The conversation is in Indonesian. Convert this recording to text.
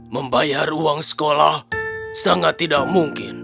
membayar uang sekolah sangat tidak mungkin